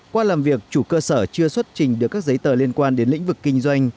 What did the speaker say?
qua làm việc chủ cơ sở chưa xuất trình được các giấy tờ liên quan đến lĩnh vực kinh doanh